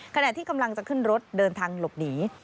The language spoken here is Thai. ขณะที่กำลังจะขึ้นรถเดินทางหลบหนี